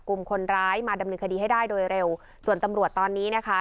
กลุ่มคนร้ายมาดำเนินคดีให้ได้โดยเร็วส่วนตำรวจตอนนี้นะคะ